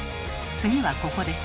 「次はここです」